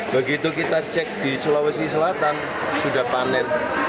begitu kita cek di sulawesi selatan sudah panen